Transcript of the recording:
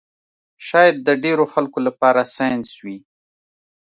شاید د ډېرو خلکو لپاره ساینس وي